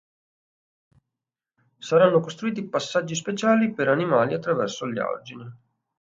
Saranno costruiti passaggi speciali per animali attraverso gli argini.